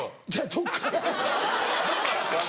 どっから？